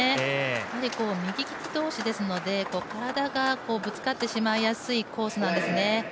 やはり右利き同士ですので体がぶつかってしまいやすいコースなんですね。